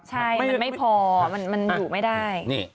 ใช่มันไม่พอมันอยู่ไม่ได้